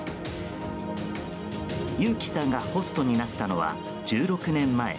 ユウキさんがホストになったのは１６年前。